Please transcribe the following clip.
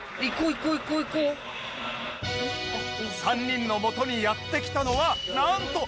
３人の元にやって来たのはなんと